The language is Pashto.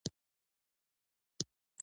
زه ستا مرسته ته اړتیا لرم.